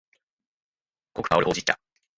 濃く香るほうじ茶